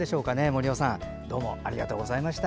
森雄さんどうもありがとうございました。